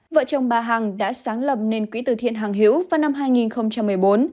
vợ chồng bà hằng đã sáng lập nên quỹ từ thiện hằng hiu vào năm hai nghìn một mươi bốn